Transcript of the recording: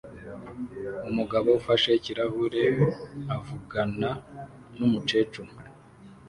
Umugabo ufashe ikirahure avugana numukecuru